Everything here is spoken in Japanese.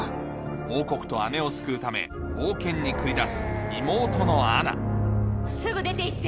王国と姉を救うため冒険に繰り出すすぐ出て行って。